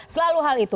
selalu hal itu